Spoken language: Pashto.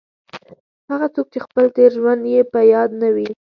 هغه څوک چې خپل تېر ژوند یې په یاد نه وي.